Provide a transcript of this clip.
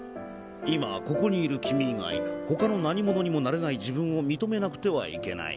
今ここにいる君以外ほかの何者にもなれない自分を認めなくてはいけない。